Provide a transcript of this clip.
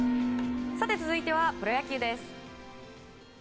さて続いてはプロ野球です。